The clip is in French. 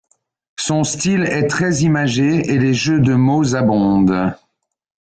Son style est très imagé et les jeux de mots abondent.